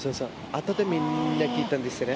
あとでみんな、聞いたんですね。